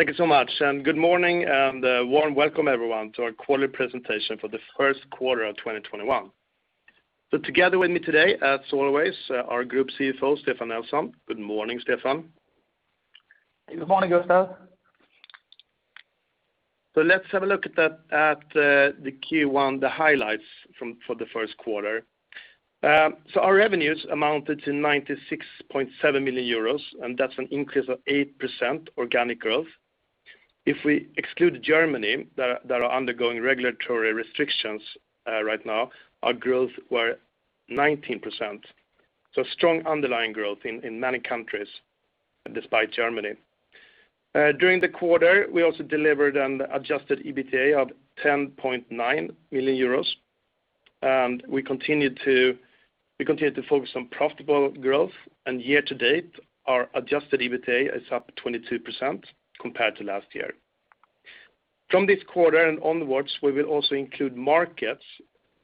Thank you so much. Good morning, and a warm welcome everyone to our quarterly presentation for the first quarter of 2021. Together with me today, as always, our Group CFO, Stefan Nelson. Good morning, Stefan. Good morning, Gustaf. Let's have a look at the Q1, the highlights for the first quarter. Our revenues amounted to 96.7 million euros, and that's an increase of 8% organic growth. If we exclude Germany, that are undergoing regulatory restrictions right now, our growth were 19%. Strong underlying growth in many countries, despite Germany. During the quarter, we also delivered an adjusted EBITDA of 10.9 million euros. We continued to focus on profitable growth, and year-to-date, our adjusted EBITDA is up 22% compared to last year. From this quarter and onwards, we will also include markets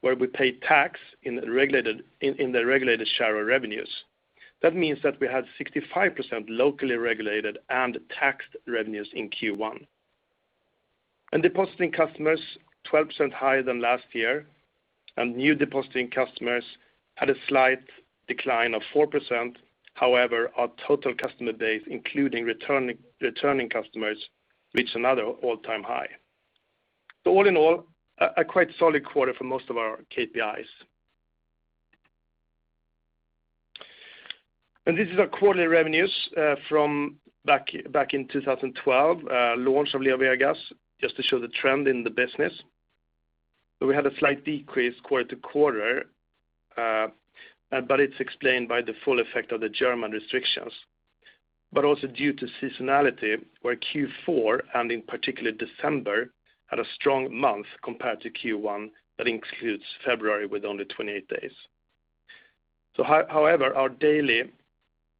where we pay tax in the regulated share of revenues. That means that we had 65% locally regulated and taxed revenues in Q1. Depositing customers, 12% higher than last year, and New Depositing Customers had a slight decline of 4%. However, our total customer base, including returning customers, reached another all-time high. All in all, a quite solid quarter for most of our KPIs. This is our quarterly revenues from back in 2012, the launch of LeoVegas, just to show the trend in the business. We had a slight decrease quarter to quarter, but it's explained by the full effect of the German restrictions. Also, due to seasonality, where Q4, and in particular December, had a strong month compared to Q1. That includes February, with only 28 days. However, our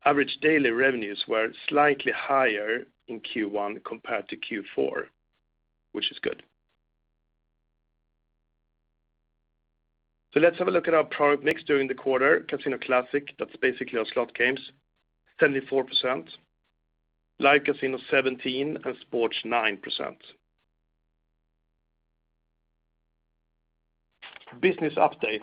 average daily revenues were slightly higher in Q1 compared to Q4, which is good. Let's have a look at our product mix during the quarter. Casino Classic, that's basically our slot games, 74%, Live Casino 17%, and Sports 9%. Business update.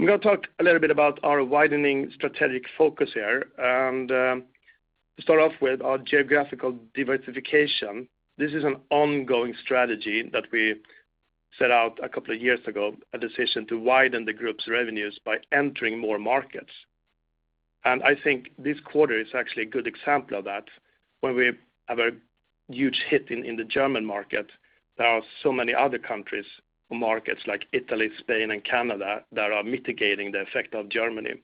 I'm going to talk a little bit about our widening strategic focus here, and to start off with our geographical diversification. This is an ongoing strategy that we set out a couple of years ago, a decision to widen the group's revenues by entering more markets. I think this quarter is actually a good example of that. When we have a huge hit in the German market, there are so many other countries or markets like Italy, Spain, and Canada that are mitigating the effect of Germany.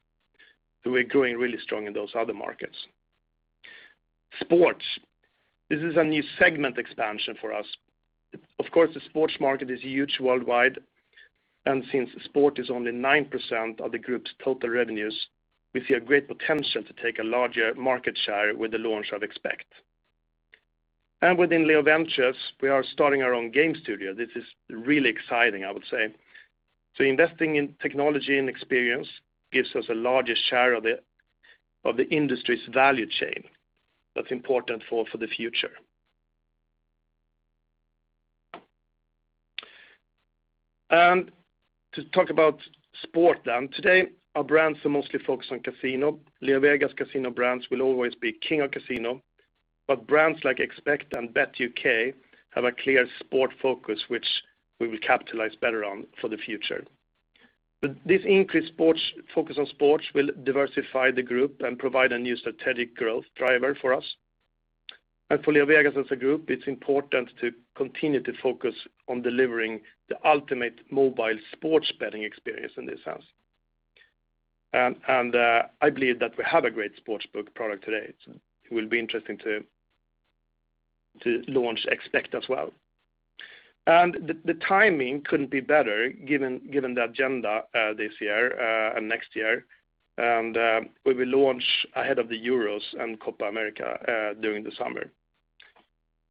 We're growing really strong in those other markets. Sports. This is a new segment expansion for us. Of course, the sports market is huge worldwide, and since sport is only 9% of the group's total revenues, we see a great potential to take a larger market share with the launch of Expekt. Within LeoVegas, we are starting our own game studio. This is really exciting, I would say. Investing in technology and experience gives us a larger share of the industry's value chain. That's important for the future. To talk about Sport. Today, our brands are mostly focused on the casino. LeoVegas casino brands will always be the king of casino, but brands like Expekt and BetUK have a clear sports focus, which we will capitalize better on for the future. This increased focus on sports will diversify the group and provide a new strategic growth driver for us. For LeoVegas as a group, it's important to continue to focus on delivering the ultimate mobile sports betting experience in this sense. I believe that we have a great sportsbook product today. It will be interesting to launch Expekt as well. The timing couldn't be better, given the agenda this year and next year, and we will launch ahead of the Euros and Copa América during the summer.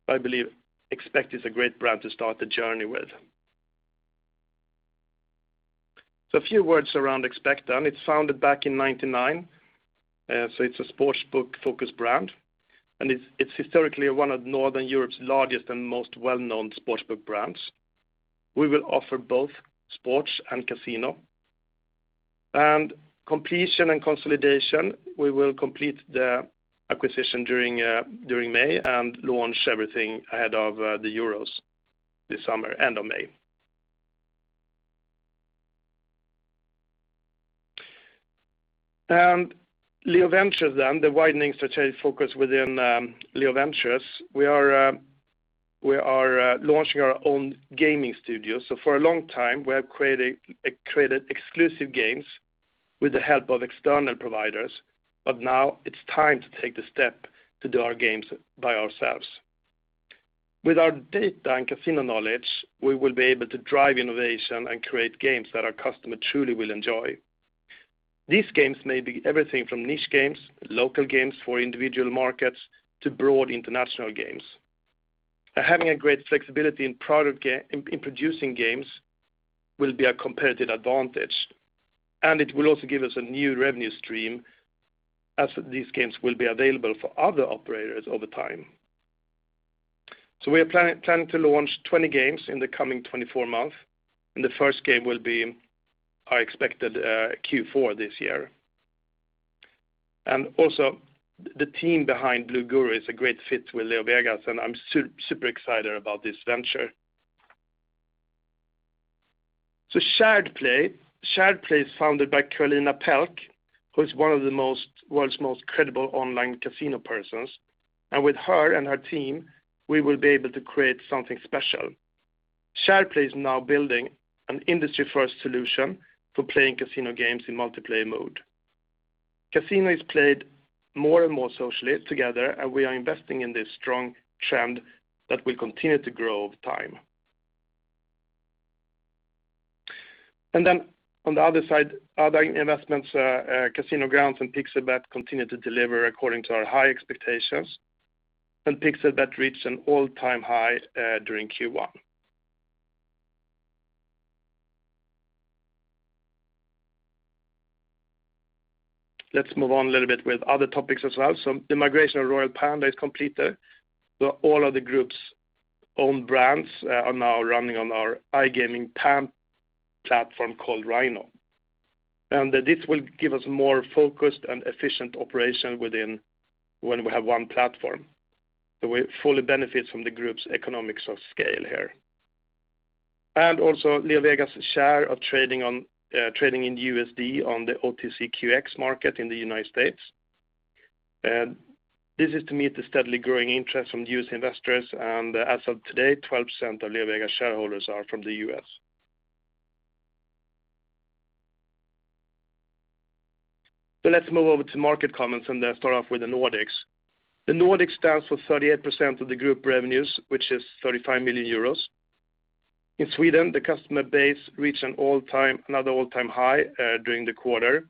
I believe Expekt is a great brand to start the journey with. A few words around Expekt. It's founded back in 1999. It's a sportsbook-focused brand, and it's historically one of Northern Europe's largest and most well-known sportsbook brands. We will offer both sports and casino. Completion and consolidation, we will complete the acquisition during May and launch everything ahead of the Euros this summer, end of May. LeoVegas and the widening strategic focus within LeoVegas. We are launching our own gaming studio. For a long time, we have created exclusive games with the help of external providers, but now it's time to take the step to do our games by ourselves. With our data and casino knowledge, we will be able to drive innovation and create games that our customers truly will enjoy. These games may be everything from niche games, local games for individual markets, to broad international games. Having great flexibility in producing games will be a competitive advantage, and it will also give us a new revenue stream as these games will be available for other operators over time. We are planning to launch 20 games in the coming 24 months, and the first game will be expected Q4 this year. The team behind Blue Guru is a great fit with LeoVegas, and I'm super excited about this venture. SharedPlay. SharedPlay is founded by Karolina Pelc, who is one of the world's most credible online casino persons. With her and her team, we will be able to create something special. SharedPlay is now building an industry-first solution for playing casino games in multiplayer mode. Casino is played more and more socially together. We are investing in this strong trend that will continue to grow over time. On the other side, other investments, CasinoGrounds and Pixel.bet, continue to deliver according to our high expectations. Pixel.bet reached an all-time high during Q1. Let's move on a little bit with other topics as well. The migration of Royal Panda is completed. All of the group's own brands are now running on our iGaming platform called Rhino. This will give us more focused and efficient operation when we have one platform. We fully benefit from the group's economics of scale here. Also, LeoVegas share of trading in USD on the OTCQX market in the United States. This is to meet the steadily growing interest from U.S. investors. As of today, 12% of LeoVegas shareholders are from the U.S. Let's move over to market comments. Let's start off with the Nordics. The Nordics stand for 38% of the group's revenues, which is 35 million euros. In Sweden, the customer base reached another all-time high during the quarter.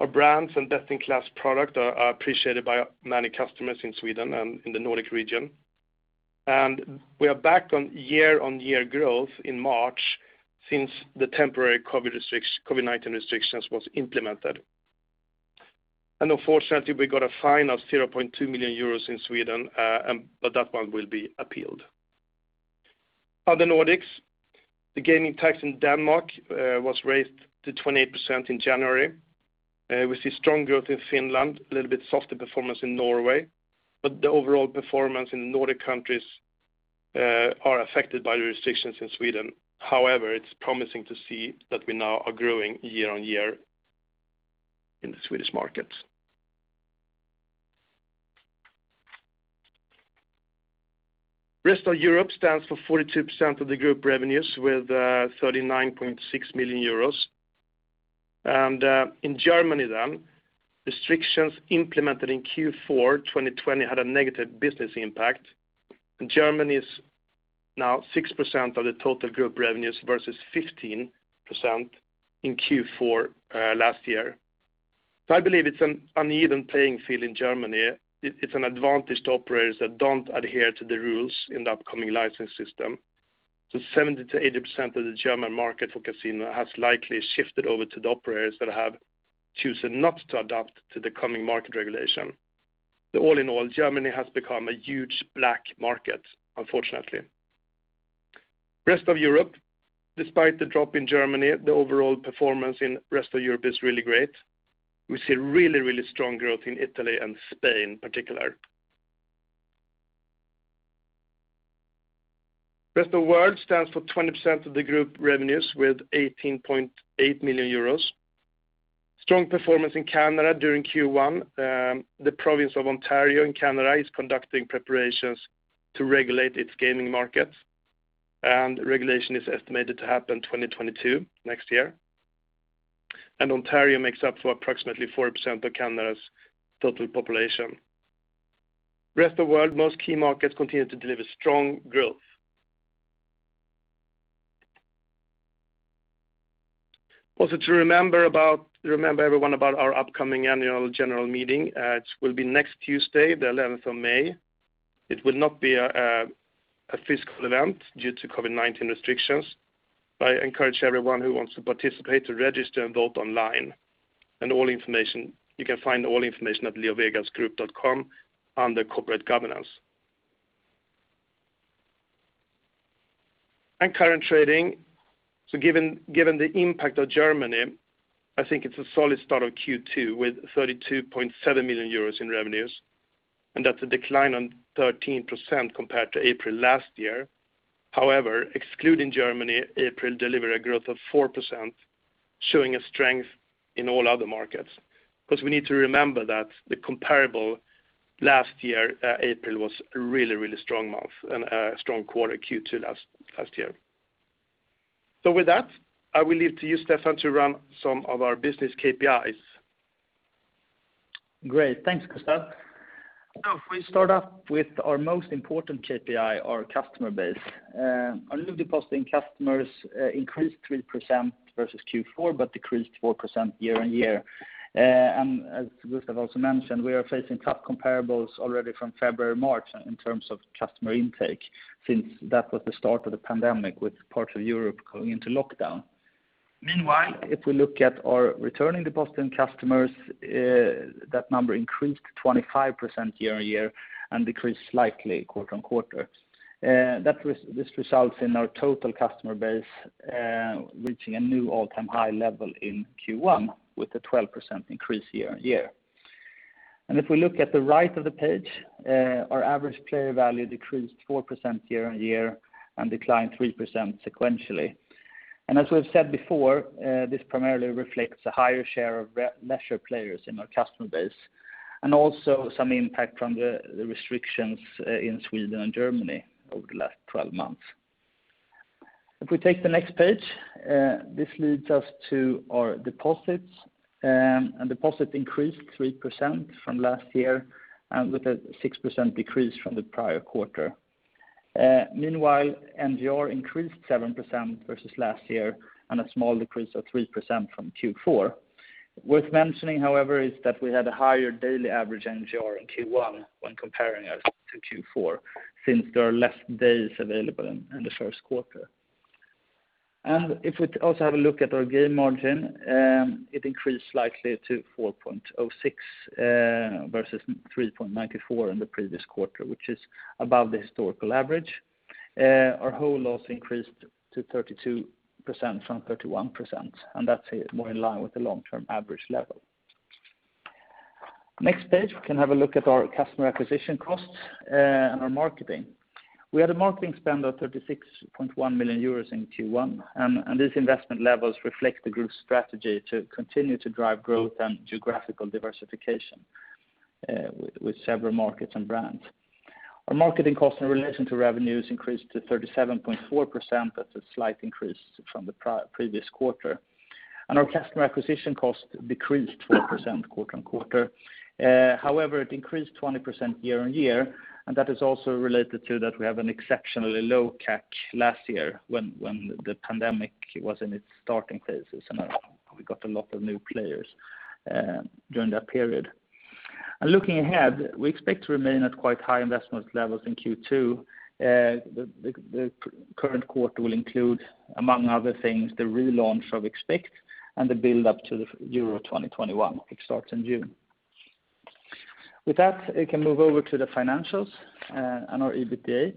Our brands and best-in-class products are appreciated by many customers in Sweden and in the Nordic region. We are back on year-on-year growth in March since the temporary COVID-19 restrictions was implemented. Unfortunately, we got a fine of 0.2 million euros in Sweden, that one will be appealed. Other Nordics, the gaming tax in Denmark was raised to 28% in January. We see strong growth in Finland, a little bit softer performance in Norway, but the overall performance in the Nordic countries are affected by the restrictions in Sweden. It's promising to see that we are now growing year-on-year in the Swedish market. Rest of Europe stands for 42% of the group's revenues with 39.6 million euros. In Germany, then, restrictions implemented in Q4 2020 had a negative business impact. Germany is now 6% of the total group revenues versus 15% in Q4 last year. I believe it's an uneven playing field in Germany. It's an advantage to operators that don't adhere to the rules in the upcoming licensing system. 70%-80% of the German market for casinos has likely shifted over to the operators that have chosen not to adapt to the coming market regulation. All in all, Germany has become a huge black market, unfortunately. Rest of Europe, despite the drop in Germany, the overall performance in Rest of Europe is really great. We see really strong growth in Italy and Spain in particular. Rest of the world stands for 20% of the group revenues with 18.8 million euros. Strong performance in Canada during Q1. The province of Ontario in Canada is conducting preparations to regulate its gaming markets. Regulation is estimated to happen in 2022, next year. Ontario makes up for approximately 4% of Canada's total population. Rest of World, most key markets continue to deliver strong growth. Also to remember everyone about our upcoming annual general meeting. It will be next Tuesday, the 11th of May. It will not be a physical event due to COVID-19 restrictions. I encourage everyone who wants to participate to register and vote online. You can find all information at leovegasgroup.com under Corporate Governance. Current trading. Given the impact of Germany, I think it's a solid start of Q2 with 32.7 million euros in revenues, and that's a decline on 13% compared to April last year. However, excluding Germany, April delivered a growth of 4%, showing a strength in all other markets. We need to remember that the comparable last year, April was a really strong month and a strong quarter Q2 last year. With that, I will leave to you, Stefan, to run some of our business KPIs. Great. Thanks, Gustaf. If we start up with our most important KPI, our customer base. Our New Depositing Customers increased 3% versus Q4, but decreased 4% year-on-year. As Gustaf also mentioned, we are facing tough comparables already from February, March in terms of customer intake, since that was the start of the pandemic with parts of Europe going into lockdown. Meanwhile, if we look at our returning depositing customers, that number increased 25% year-on-year and decreased slightly quarter-on-quarter. This results in our total customer base reaching a new all-time high level in Q1 with a 12% increase year-on-year. If we look at the right of the page, our average player value decreased 4% year-on-year and declined 3% sequentially. As we've said before, this primarily reflects a higher share of leisure players in our customer base, also some impact from the restrictions in Sweden and Germany over the last 12 months. If we take the next page, this leads us to our deposits. Deposits increased 3% from last year, with a 6% decrease from the prior quarter. Meanwhile, NGR increased 7% versus last year and a small decrease of 3% from Q4. Worth mentioning, however, is that we had a higher daily average NGR in Q1 when comparing us to Q4, since there are less days available in the first quarter. If we also have a look at our game margin, it increased slightly to 4.06% versus 3.94% in the previous quarter, which is above the historical average. Our hold loss increased to 32% from 31%, and that's more in line with the long-term average level. Next page, we can have a look at our customer acquisition costs and our marketing. We had a marketing spend of 36.1 million euros in Q1. These investment levels reflect the group's strategy to continue to drive growth and geographical diversification with several markets and brands. Our marketing cost in relation to revenues increased to 37.4%. That's a slight increase from the previous quarter. Our customer acquisition cost decreased 4% quarter-on-quarter. However, it increased 20% year-on-year, and that is also related to that we have an exceptionally low CAC last year when the pandemic was in its starting phases, and we got a lot of new players during that period. Looking ahead, we expect to remain at quite high investment levels in Q2. The current quarter will include, among other things, the relaunch of Expekt and the build-up to the Euro 2020, which starts in June. With that, we can move over to the financials and our EBITDA,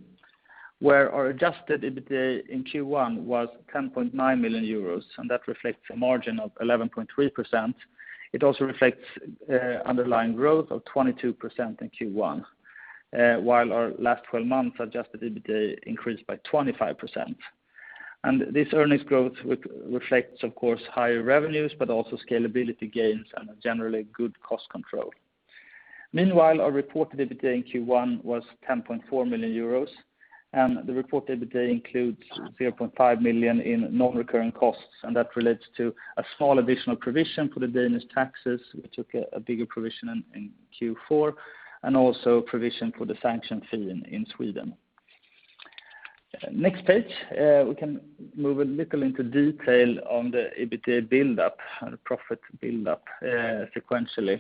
where our adjusted EBITDA in Q1 was 10.9 million euros, and that reflects a margin of 11.3%. It also reflects the underlying growth of 22% in Q1, while our last 12 months adjusted EBITDA increased by 25%. This earnings growth reflects, of course, higher revenues, but also scalability gains and a generally good cost control. Meanwhile, our reported EBITDA in Q1 was 10.4 million euros, and the reported EBITDA includes 0.5 million in non-recurring costs, and that relates to a small additional provision for the Danish taxes, which took a bigger provision in Q4, and also a provision for the sanction fee in Sweden. Next page, we can move a little into detail on the EBITDA build-up and profit build-up sequentially.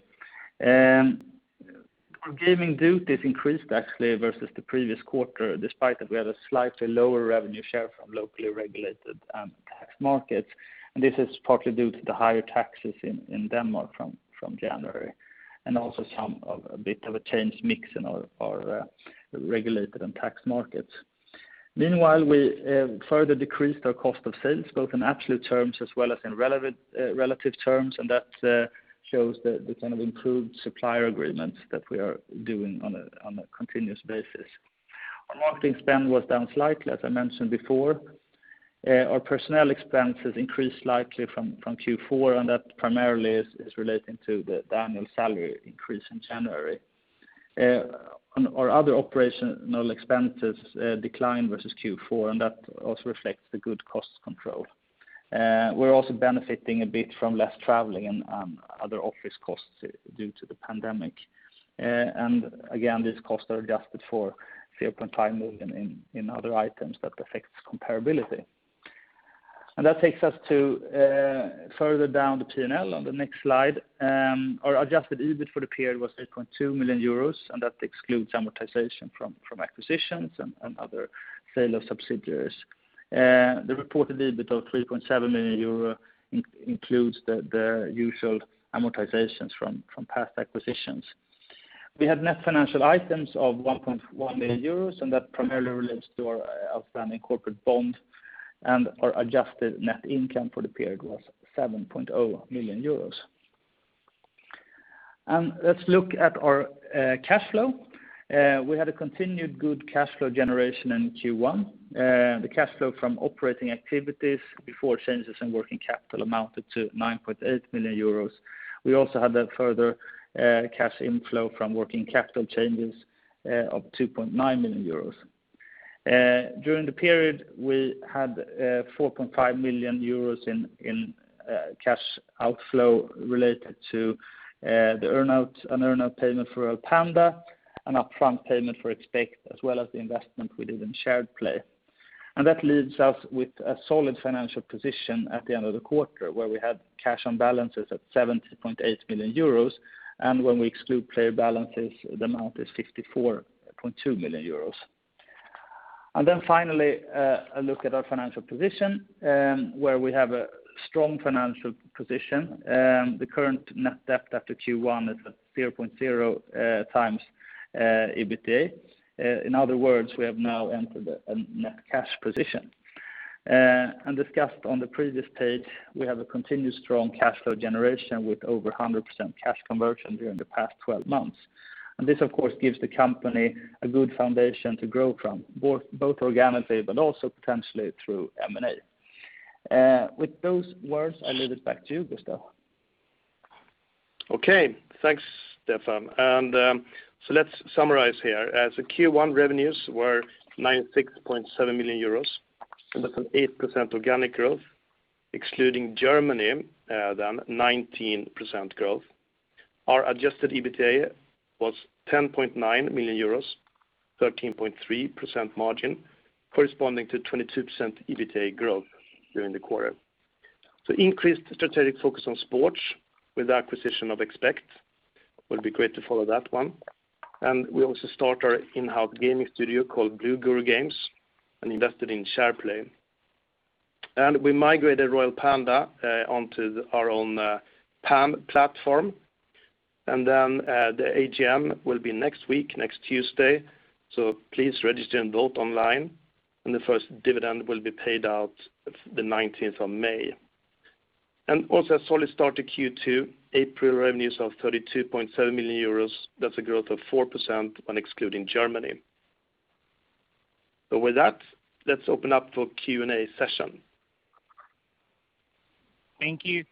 Our gaming duties actually increased, versus the previous quarter, despite that we had a slightly lower revenue share from locally regulated tax markets. This is partly due to the higher taxes in Denmark from January, and also a bit of a changed mix in our regulated and tax markets. Meanwhile, we further decreased our cost of sales, both in absolute terms as well as in relative terms, and that shows the kind of improved supplier agreements that we are doing on a continuous basis. Our marketing spend was down slightly, as I mentioned before. Our personnel expenses increased slightly from Q4, and that primarily is relating to the annual salary increase in January. Our other operational expenses declined versus Q4, and that also reflects the good cost control. We're also benefiting a bit from less traveling and other office costs due to the pandemic. Again, these costs are adjusted for 0.5 million in other items that affect comparability. That takes us to further down the P&L on the next slide. Our adjusted EBIT for the period was 8.2 million euros, and that excludes amortization from acquisitions and other sales of subsidiaries. The reported EBIT of 3.7 million euro includes the usual amortizations from past acquisitions. We had net financial items of 1.1 million euros, and that primarily relates to our outstanding corporate bond, and our adjusted net income for the period was 7.0 million euros. Let's look at our cash flow. We had a continued good cash flow generation in Q1. The cash flow from operating activities before changes in working capital amounted to 9.8 million euros. We also had a further cash inflow from working capital changes of 2.9 million euros. During the period, we had 4.5 million euros in cash outflow related to an earn-out payment for Royal Panda, an upfront payment for Expekt, as well as the investment we did in SharedPlay. That leaves us with a solid financial position at the end of the quarter, where we had cash on balances at 17.8 million euros, and when we exclude player balances, the amount is 54.2 million euros. Finally, a look at our financial position where we have a strong financial position. The current net debt after Q1 is at 0.0x EBITDA. In other words, we have now entered a net cash position. As discussed on the previous page, we have continued strong cash flow generation with over 100% cash conversion during the past 12 months. This, of course, gives the company a good foundation to grow from, both organically but also potentially through M&A. With those words, I leave it back to you, Gustaf. Okay. Thanks, Stefan. Let's summarize here. Q1 revenues were 96.7 million euros. That's an 8% organic growth, excluding Germany, then 19% growth. Our adjusted EBITDA was 10.9 million euros, 13.3% margin, corresponding to 22% EBITDA growth during the quarter. Increased strategic focus on sports with the acquisition of Expekt. Will be great to follow that one. We also started our in-house gaming studio called Blue Guru Games and invested in SharedPlay. We migrated Royal Panda onto our own PAM platform. The AGM will be next week, next Tuesday, so please register and vote online. The first dividend will be paid out the 19th of May. Also, a solid start to Q2. April revenues of 32.7 million euros. That's a growth of 4% when excluding Germany. With that, let's open up for a Q&A session. Thank you.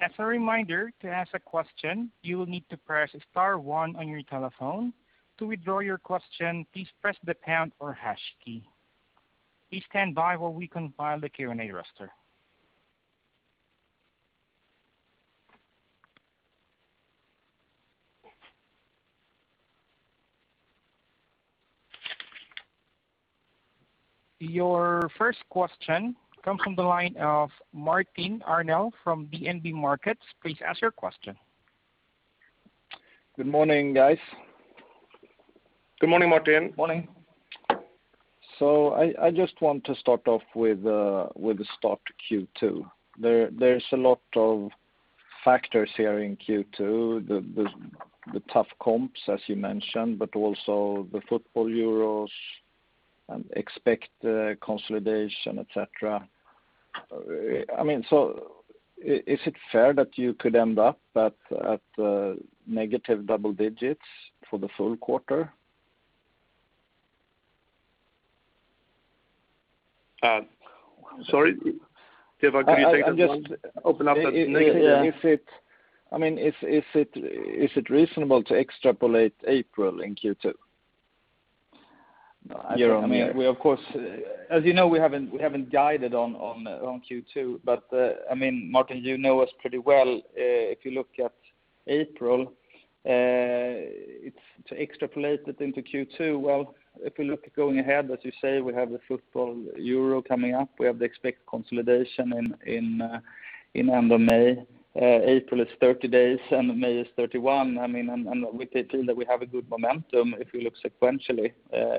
As a reminder, to ask a question. You will need to press star one on your telephone. To withdraw your question, please press the pound or hash key. Please stand by while we compile the Q&A roster. Your first question comes from the line of Martin Arnell from DNB Markets. Good morning, guys. Good morning, Martin. Morning. I just want to start off with the start to Q2. There's a lot of factors here in Q2, the tough comps as you mentioned, the football Euros and Expekt consolidation, et cetera. Is it fair that you could end up at negative double digits for the full quarter? Sorry. Stefan, can you take that one? I'm just open up that. Yeah. Is it reasonable to extrapolate April in Q2 year-on-year? As you know, we haven't guided on Q2. Martin, you know us pretty well. If you look at April, to extrapolate it into Q2, if we look at going ahead, as you say, we have the football Euro coming up. We have the Expekt consolidation in end of May. April is 30 days. May is 31. With the team that we have a good momentum if you look sequentially,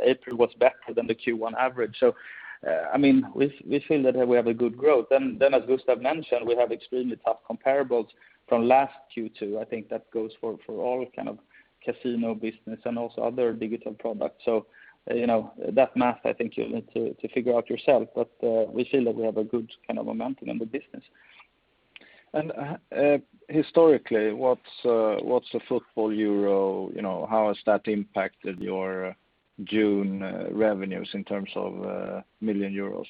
April was better than the Q1 average. We feel that we have good growth. As Gustaf mentioned, we have extremely tough comparables from last Q2. I think that goes for all kinds of casino business and also other digital products. That math, I think, you'll need to figure out yourself. We feel that we have a good kind of momentum in the business. Historically, what's the football Euro, how has that impacted your June revenues in terms of million Euros?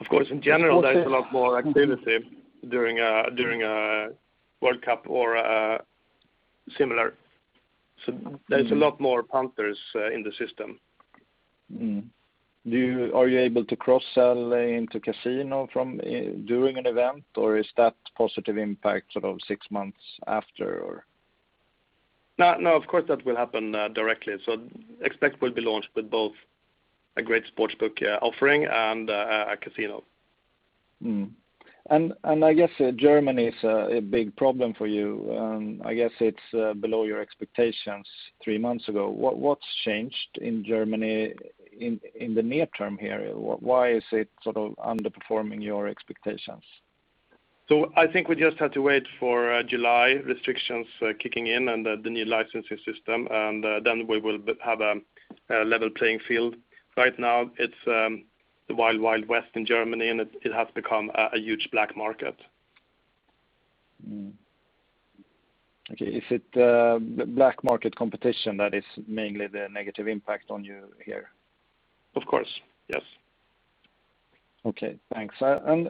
Of course, in general, there's a lot more activity during a World Cup or similar. There's a lot more punters in the system. Are you able to cross-sell into the casino during an event, or is that positive impact sort of six months after or? No, of course, that will happen directly. Expekt will be launched with both a great sportsbook offering and a casino. I guess Germany is a big problem for you. I guess it's below your expectations three months ago. What's changed in Germany in the near term here? Why is it sort of underperforming your expectations? I think we just had to wait for July restrictions kicking in and the new licensing system, and then we will have a level playing field. Right now, it's the Wild Wild West in Germany, and it has become a huge black market. Okay. Is it the black market competition that is mainly the negative impact on you here? Of course. Yes. Okay, thanks.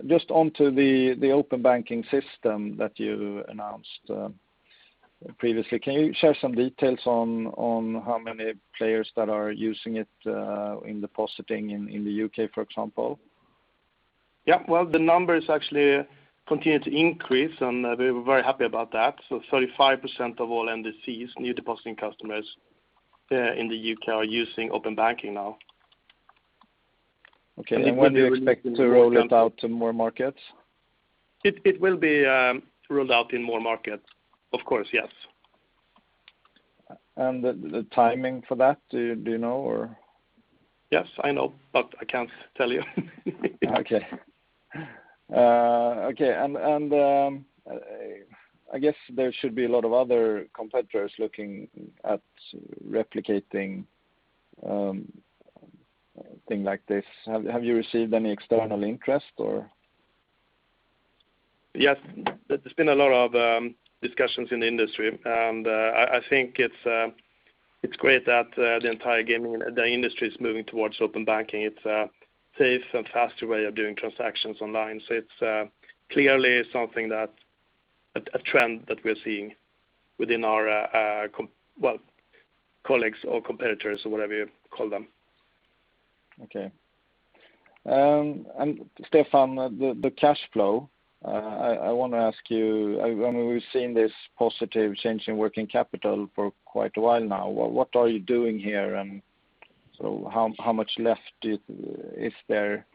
Just onto the open banking system that you announced previously, can you share some details on how many players that are using it in depositing in the U.K., for example? Yeah. Well, the numbers actually continue to increase, and we're very happy about that. 35% of all NDCs, New Depositing Customers in the U.K., are using open banking now. Okay. When do you expect to roll it out to more markets? It will be rolled out in more markets, of course, yes. The timing for that, do you know? Yes, I know, but I can't tell you. Okay. I guess there should be a lot of other competitors looking at replicating a thing like this. Have you received any external interest? Yes. There has been a lot of discussions in the industry. I think it's great that the entire gaming industry is moving towards open banking. It's a safe and faster way of doing transactions online. It's clearly a trend that we're seeing within our colleagues or competitors or whatever you call them. Okay. Stefan, the cash flow, I want to ask you, we've seen this positive change in working capital for quite a while now. What are you doing here? How much is left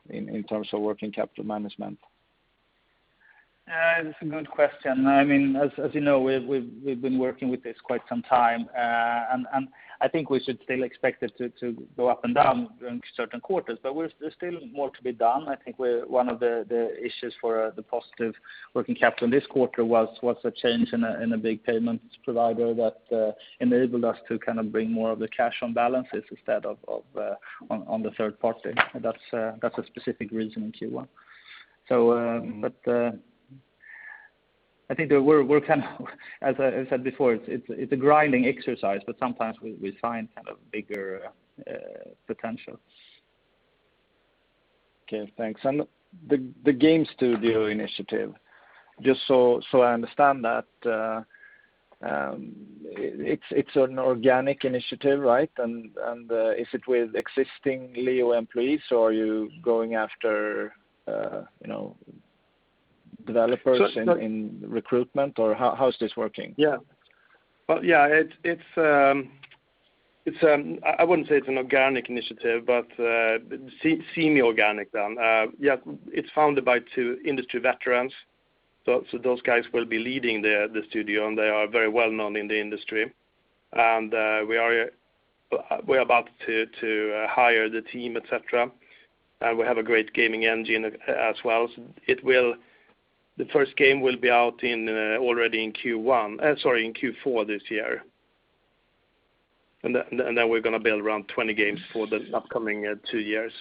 in terms of working capital management? It's a good question. As you know, we've been working with this for quite some time, and I think we should still expect it to go up and down during certain quarters. There's still more to be done. I think one of the issues for the positive working capital in this quarter was a change in a big payments provider that enabled us to bring more of the cash on balances instead of on the third party. That's a specific reason in Q1. As I said before, it's a grinding exercise, but sometimes we find a kind of bigger potential. Okay, thanks. The game studio initiative, just so I understand that, it's an organic initiative, right? Is it with existing Leo employees, or are you going after developers in recruitment? How is this working? Well, yeah, I wouldn't say it's an organic initiative, but semi-organic then. It's founded by two industry veterans. Those guys will be leading the studio, and they are very well-known in the industry. We are about to hire the team, et cetera. We have a great gaming engine as well. The first game will be out already in Q4 this year. We're going to build around 20 games for the upcoming two years.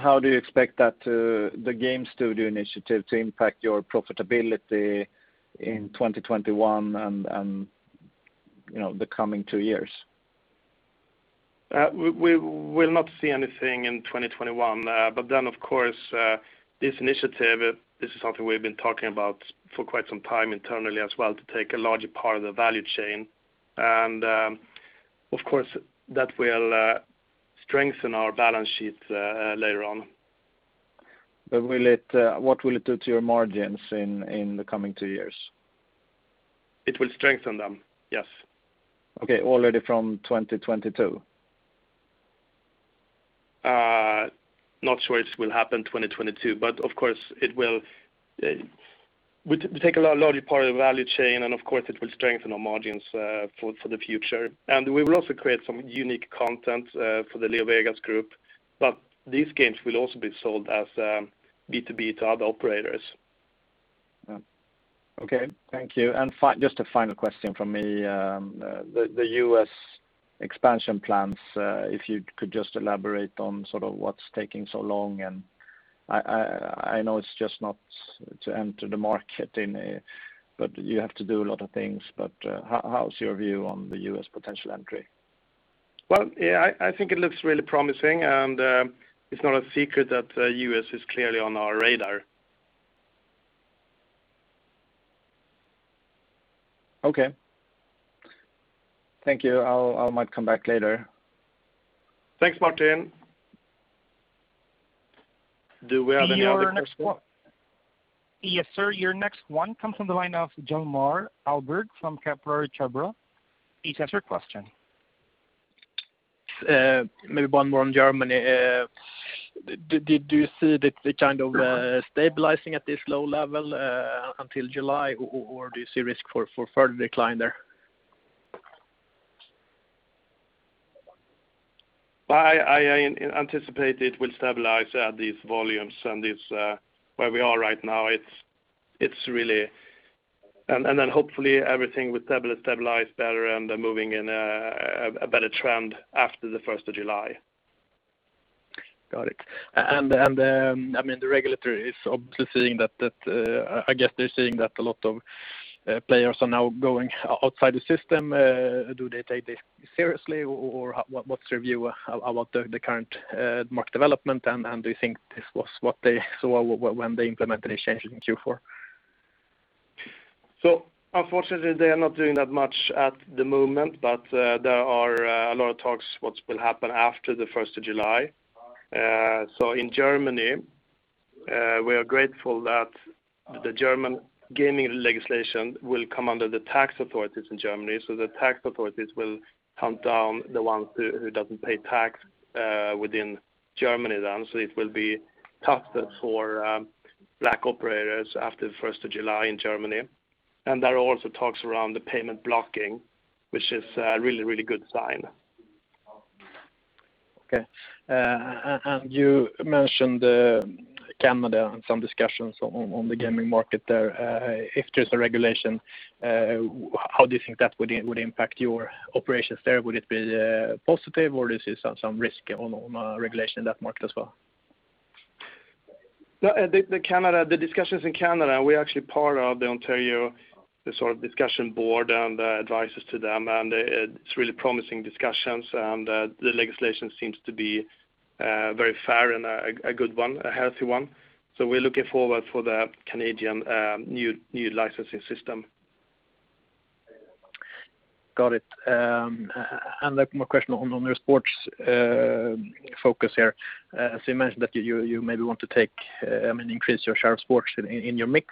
How do you expect the game studio initiative to impact your profitability in 2021 and the coming two years? We will not see anything in 2021. Of course, this initiative, this is something we've been talking about for quite some time internally as well, to take a larger part of the value chain. Of course, that will strengthen our balance sheets later on. What will it do to your margins in the coming two years? It will strengthen them, yes. Okay, already from 2022? Not sure it will happen in 2022, but of course, we take a larger part of the value chain, and of course, it will strengthen our margins for the future. We will also create some unique content for the LeoVegas Group. These games will also be sold as B2B to other operators. Okay, thank you. Just a final question from me. The U.S. expansion plans, if you could just elaborate on sort of what's taking so long, and I know it's just not to enter the market, but you have to do a lot of things. How's your view on the U.S. potential entry? Well, yeah, I think it looks really promising. It's not a secret that the U.S. is clearly on our radar. Okay. Thank you. I might come back later. Thanks, Martin. Do we have any other questions? Yes, sir. Your next one comes from the line of Hjalmar Ahlberg from Kepler Cheuvreux. Please ask your question. Maybe one more on Germany. Do you see the kind of stabilization at this low level until July, or do you see risk for further decline there? I anticipate it will stabilize at these volumes and where we are right now. Hopefully, everything will stabilize better and then moving in a better trend after the 1st of July. Got it. The regulator is obviously seeing that. I guess they're seeing that a lot of players are now going outside the system. Do they take this seriously, or what's your view about the current market development, and do you think this was what they saw when they implemented these changes in Q4? Unfortunately, they are not doing that much at the moment, but there are a lot of talks about what will happen after the 1st of July. In Germany, we are grateful that the German gaming legislation will come under the tax authorities in Germany. The tax authorities will hunt down the ones who don't pay tax within Germany, then. It will be tougher for black operators after 1st of July in Germany. There are also talks around the payment blocking, which is a really good sign. Okay. You mentioned Canada and some discussions on the gaming market there. If there's a regulation, how do you think that would impact your operations there? Would it be positive or is there some risk on regulation in that market as well? The discussions in Canada, we are actually part of the Ontario discussion board and the advice to them, and it's really promising discussions, and the legislation seems to be very fair and a good one, a healthy one. We're looking forward for the Canadian new licensing system. Got it. More questions on your sports focus here. As you mentioned, that you maybe want to increase your share of sports in your mix.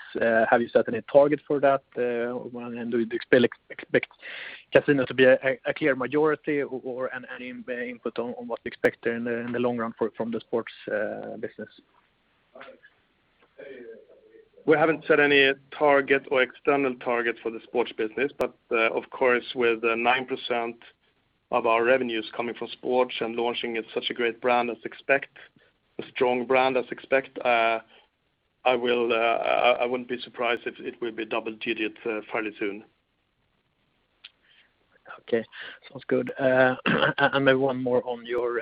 Have you set any targets for that? Do you expect casinos to be a clear majority, or any input on what to expect in the long run from the sports business? We haven't set any target or external target for the sports business. Of course, with 9% of our revenues coming from sports and launching at such a great brand as Expekt, a strong brand as Expekt, I wouldn't be surprised if it will be double-digit fairly soon. Okay. Sounds good. Maybe one more on your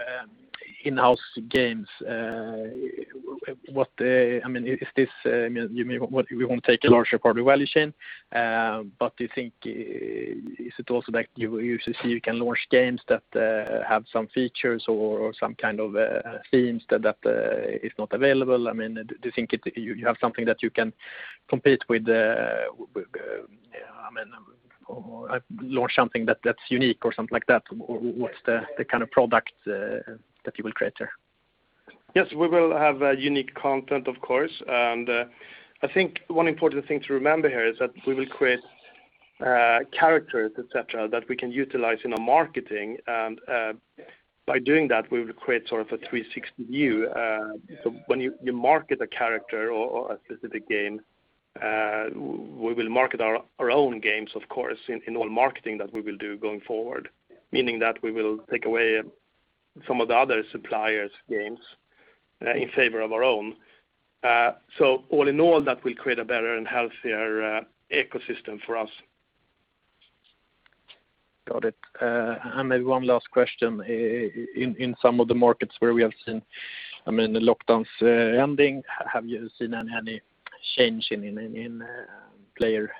in-house games. You want to take a larger part of the value chain, but do you think you can launch games that have some features or some kind of themes that is not available? Do you think you have something that you can compete with, or launch something that's unique, or something like that? What's the kind of product that you will create there? Yes, we will have unique content, of course. I think one important thing to remember here is that we will create characters, et cetera, that we can utilize in our marketing. By doing that, we will create a sort of a 360 view. When you market a character or a specific game, we will market our own games, of course, in all marketing that we will do going forward, meaning that we will take away some of the other suppliers' games in favor of our own. All in all, that will create a better and healthier ecosystem for us. Got it. Maybe one last question. In some of the markets where we have seen the lockdowns ending, have you seen any change in player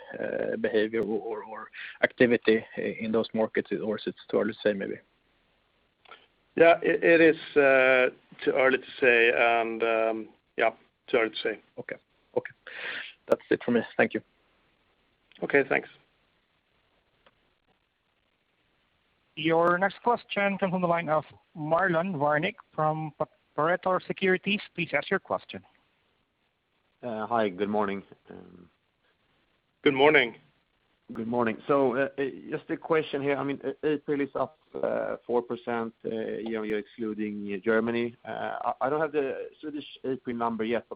behavior or activity in those markets, or is it too early to say maybe? Yeah, it is too early to say. Okay. That's it for me. Thank you. Okay, thanks. Your next question comes on the line of Marlon Värnik from Pareto Securities. Please ask your question. Hi, good morning. Good morning. Good morning. Just a question here. April is up 4% year-on-year excluding Germany. I don't have the Swedish April number yet.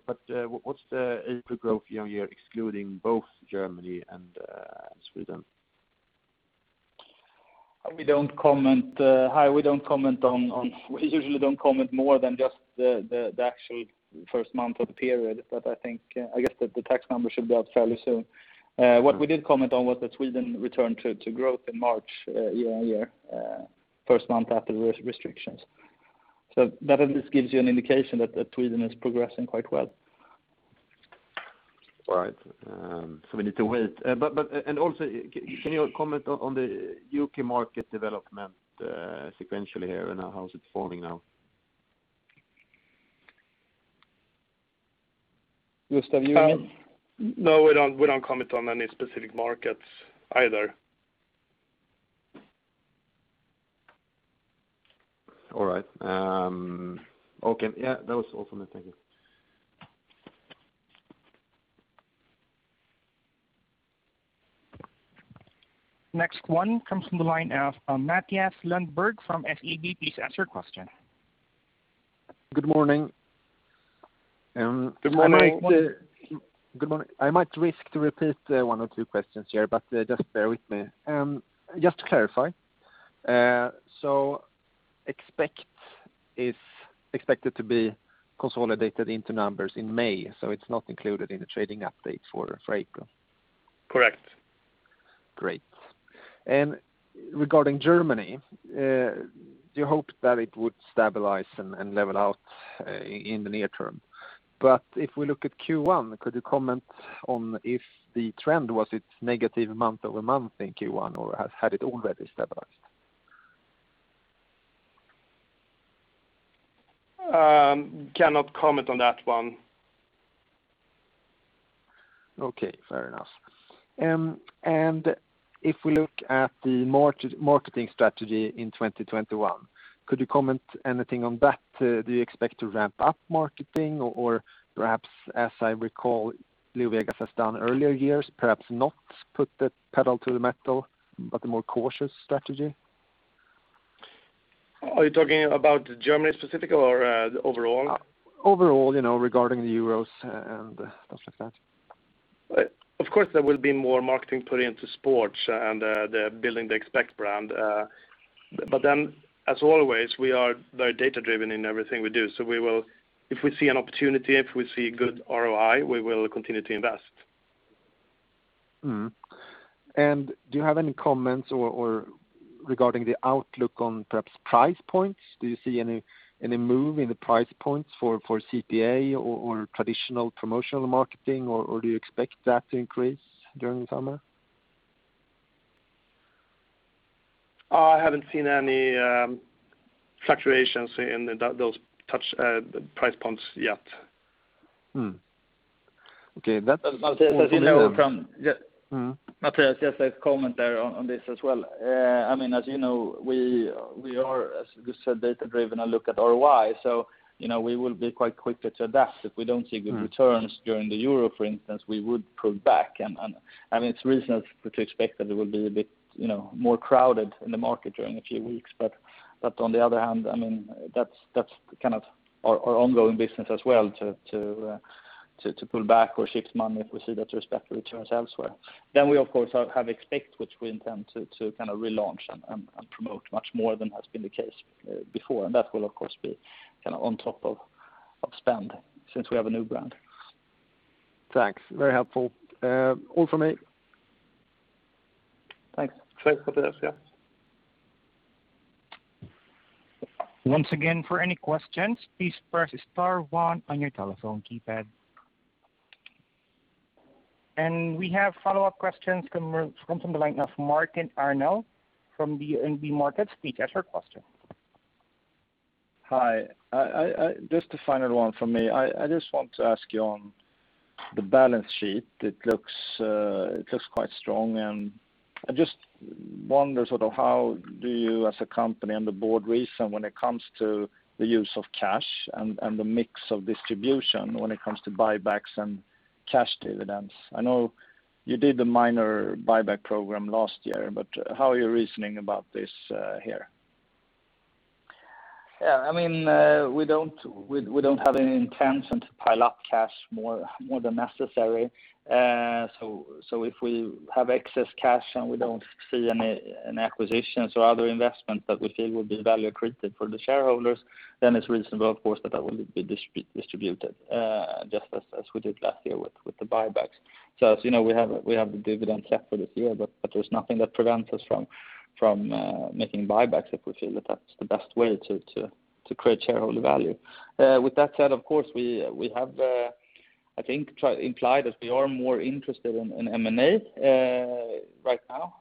What's the April growth year-on-year excluding both Germany and Sweden? Hi, we usually don't comment more than just the actual first month of the period. I guess that the tax number should be out fairly soon. What we did comment on was that Sweden returned to growth in March year-on-year, the first month after restrictions. That at least gives you an indication that Sweden is progressing quite well. All right. We need to wait. Also, can you comment on the U.K. market development sequentially here and how it's forming now? Gustaf, you? No, we don't comment on any specific markets either. All right. Okay. Yeah, that was all from me. Thank you. Next one comes from the line of Mathias Lundberg from SEB. Please ask your question. Good morning. Good morning. I might risk to repeat one or two questions here, but just bear with me. Just to clarify, Expekt is expected to be consolidated into numbers in May, so it's not included in the trading update for April? Correct. Great. Regarding Germany, you hoped that it would stabilize and level out in the near term. If we look at Q1, could you comment on if the trend was it negative month-over-month in Q1, or had it already stabilized? Cannot comment on that one. Okay, fair enough. If we look at the marketing strategy in 2021, could you comment on anything on that? Do you expect to ramp up marketing, or perhaps, as I recall, LeoVegas has done in earlier years, perhaps not put the pedal to the metal, but a more cautious strategy? Are you talking about Germany specifically or overall? Overall, regarding the Euros and stuff like that. Of course, there will be more marketing put into sports and building the Expekt brand. As always, we are very data-driven in everything we do. If we see an opportunity, if we see good ROI, we will continue to invest. Mm-hmm. Do you have any comments regarding the outlook on perhaps price points? Do you see any move in the price points for CPA or traditional promotional marketing, or do you expect that to increase during the summer? I haven't seen any fluctuations in those price points yet. Mm-hmm. Okay. Mathias, as you know from. Mathias, just a comment there on this as well. As you know, we are, as Gustaf said, data-driven and look at ROI. We will be quite quick to adapt. If we don't see good returns during the Euro, for instance, we would pull back, and it's reasonable to expect that it will be a bit more crowded in the market during a few weeks. On the other hand, that's kind of our ongoing business as well to pull back or shift money if we see better returns elsewhere. We, of course, have Expekt, which we intend to relaunch and promote much more than has been the case before. That will, of course, be kind of on top of spending since we have a new brand. Thanks. Very helpful. All from me. Thanks. Thanks, Mathias. Yeah. Once again, for any questions, please press star one on your telephone keypad. We have follow-up questions coming from the line of Martin Arnell from DNB Markets. Please ask your question. Hi. Just a final one from me. I just want to ask you on the balance sheet. It looks quite strong, and I just wonder, sort of how do you, as a company and the board, reason when it comes to the use of cash and the mix of distribution when it comes to buybacks and cash dividends. I know you did the minor buyback program last year, but how are you reasoning about this here? Yeah. We don't have any intention to pile up cash more than necessary. If we have excess cash and we don't see any acquisitions or other investments that we feel will be value accretive for the shareholders, then it's reasonable, of course, that will be distributed just as we did last year with the buybacks. As you know, we have the dividend cap for this year, but there's nothing that prevents us from making buybacks if we feel that that's the best way to create shareholder value. With that said, of course, we have, I think, implied that we are more interested in M&A right now,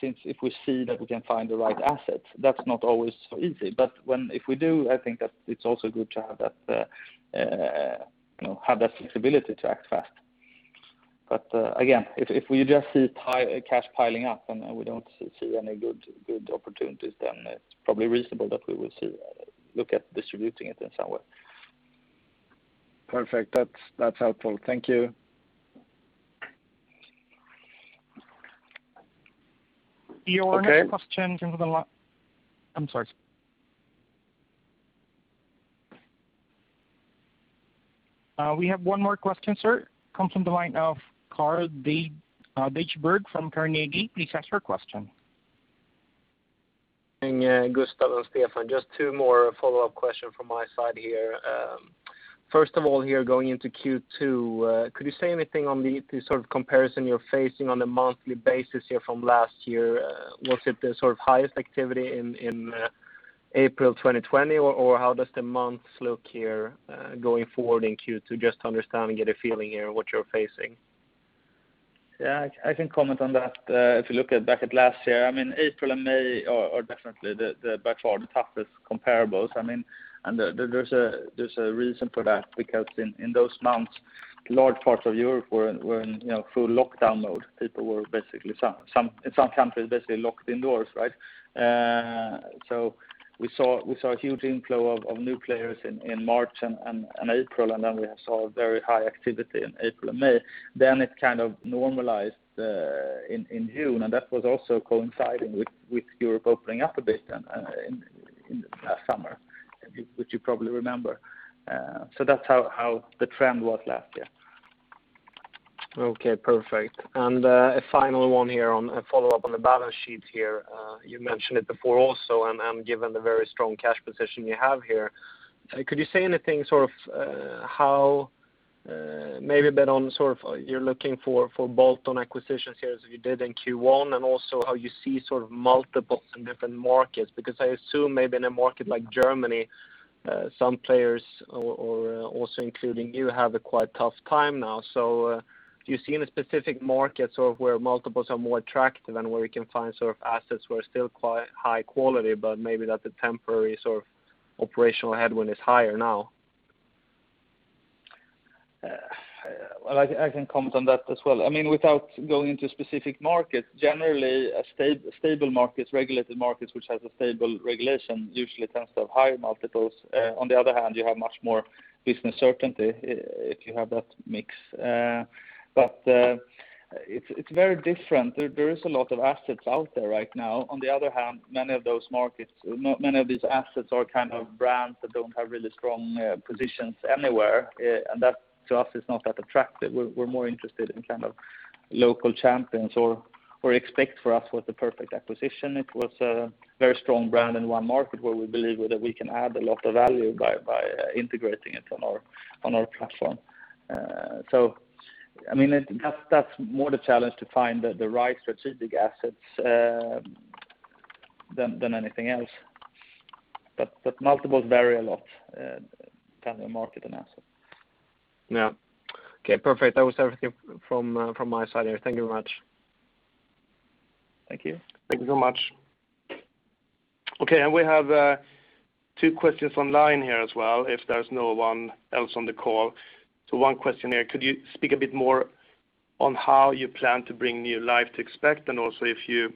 since if we see that we can find the right assets. That's not always so easy. If we do, I think that it's also good to have that flexibility to act fast. Again, if we just see cash piling up and we don't see any good opportunities, then it's probably reasonable that we will look at distributing it in some way. Perfect. That's helpful. Thank you. We have one more question, sir. Comes from the line of [Karl-Johan Bonnevier] from Carnegie. Please ask your question. Hey, Gustaf and Stefan. Just two more follow-up questions from my side here. First of all here, going into Q2, could you say anything on the sort of comparison you're facing on a monthly basis here from last year? Was it the sort of highest activity in April 2020, or how does the months look here going forward in Q2, just to understand and get a feeling here on what you're facing? Yeah, I can comment on that. If you look back at last year, April and May are definitely by far the toughest comparables. There's a reason for that, because in those months, large parts of Europe were in full lockdown mode. People were, in some countries, basically locked indoors, right? We saw a huge inflow of new players in March and April, and then we saw very high activity in April and May. It kind of normalized in June, and that was also coinciding with Europe opening up a bit in last summer, which you probably remember. That's how the trend was last year. Okay, perfect. A final one here on a follow-up on the balance sheet here. You mentioned it before also, given the very strong cash position you have here, could you say anything sort of how maybe a bit on sort of you're looking for bolt-on acquisitions here as you did in Q1, also how you see sort of multiples in different markets? Because I assume maybe in a market like Germany, some players or also including you, have a quite tough time now. Do you see any specific markets or where multiples are more attractive, and where we can find sort of assets where still quite high quality, but maybe that's a temporary operational headwind is higher now. Well, I can comment on that as well. Without going into specific markets, generally, a stable market, a regulated market which has a stable regulation usually tends to have higher multiples. On the other hand, you have much more business certainty if you have that mix. It's very different. There is a lot of assets out there right now. On the other hand, many of these assets are kind of brands that don't have really strong positions anywhere, and that, to us, is not that attractive. We're more interested in local champions or Expekt for us was the perfect acquisition. It was a very strong brand in one market, where we believe that we can add a lot of value by integrating it on our platform. That's more the challenge to find the right strategic assets than anything else. Multiples vary a lot depending on the market and asset. Okay, perfect. That was everything from my side here. Thank you very much. Thank you. Thank you so much. Okay, we have two questions online here as well, if there's no one else on the call. One question here, could you speak a bit more on how you plan to bring new life to Expekt, if you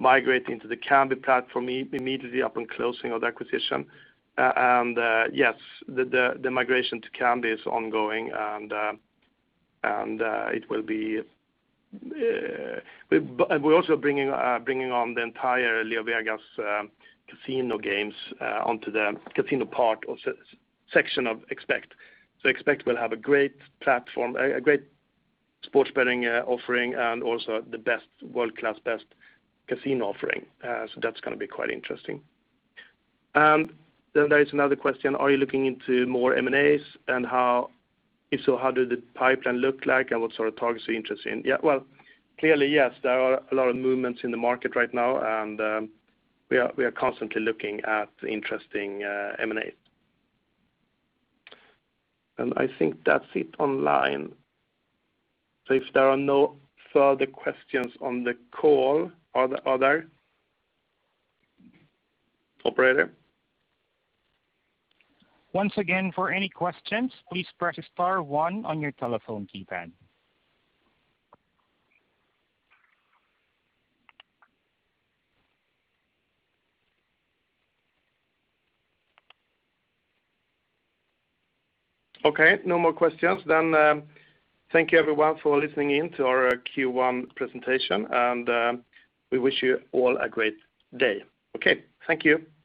migrate into the platform immediately upon closing of the acquisition? Yes, the migration to Kambi is ongoing. We're also bringing on the entire LeoVegas casino games onto the casino part or section of Expekt. Expekt will have a great platform, a great sports betting offering, the world-class best casino offering. That's going to be quite interesting. There is another question: are you looking into more M&As? How does the pipeline look like, what sort of targets are you interested in? Yeah, well, clearly, yes. There are a lot of movements in the market right now, and we are constantly looking at interesting M&As. I think that's it online. If there are no further questions on the call, are there other operator? Once again, for any questions, please press star one on your telephone keypad. Okay, no more questions. Thank you, everyone, for listening in to our Q1 presentation, and we wish you all a great day. Okay. Thank you.